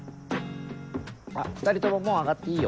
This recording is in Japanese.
２人とももう上がっていいよ。